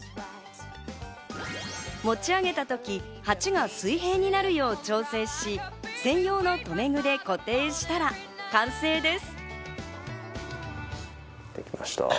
持ち上げた時、鉢が水平になるよう調整し、専用の留め具で固定したら完成です。